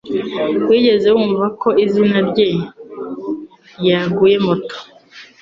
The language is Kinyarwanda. Wigeze wumva ko izina-rye ryaguye moto?